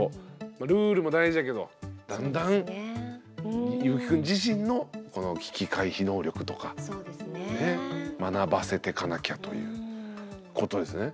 ルールも大事だけどだんだんいぶきくん自身の危機回避能力とか学ばせてかなきゃということですね。